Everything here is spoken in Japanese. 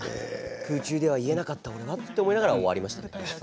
空中では言えなかったなと思いながら終わりました。